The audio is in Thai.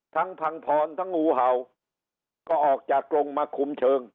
พังพรทั้งงูเห่าก็ออกจากกรงมาคุมเชิง